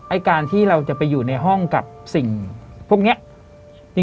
ไอ้การที่เราจะไปอยู่ในห้องกับสิ่งพวกนี้